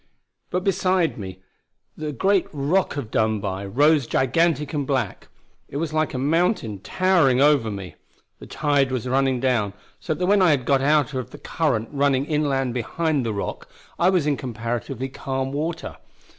But beside me, the great Rock of Dunbuy rose gigantic and black; it was like a mountain towering over me. The tide was running down so that when I had got out of the current running inland behind the rock I was in comparatively calm water.